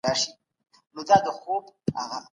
اسلامي شریعت د فطرت سره سم دی.